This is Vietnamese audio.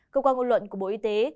cơ quan ngôn luận của bộ y tế